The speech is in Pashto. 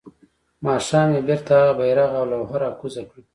ماښام يې بيرته هغه بيرغ او لوحه راکوزه کړه.